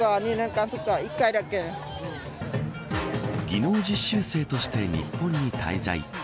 技能実習生として日本に滞在。